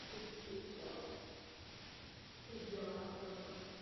Tento žánr je možné označit jako historickou beletrii.